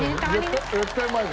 これ絶対うまい。